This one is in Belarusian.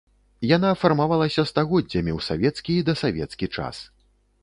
Яна фармавалася стагоддзямі ў савецкі і дасавецкі час.